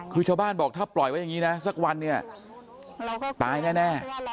คือชาวบ้านบอกถ้าปล่อยไว้อย่างนี้นะสักวันเนี่ยตายแน่